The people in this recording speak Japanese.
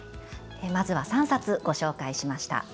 まずは３冊ご紹介しました。